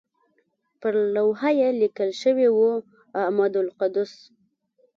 پر لوحه یې لیکل شوي وو اعمده القدس.